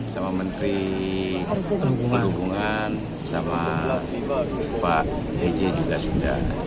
sama menteri perhubungan sama pak eje juga sudah